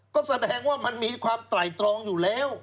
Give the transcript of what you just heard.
ก็แสดงว่ามันมีความไตรตรองอยู่แล้ว